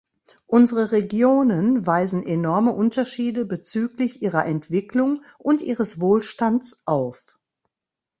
Unsere Regionen weisen enorme Unterschiede bezüglich ihrer Entwicklung und ihres Wohlstands auf.